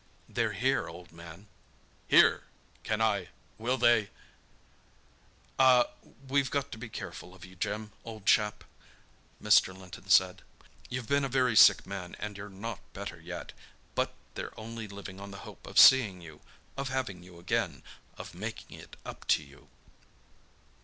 "They're here, old man." "Here! Can I—will they—?" "Ah, we've got to be careful of you, Jim, old chap," Mr. Linton said. "You've been a very sick man—and you're not better yet. But they're only living on the hope of seeing you—of having you again—of making it up to you."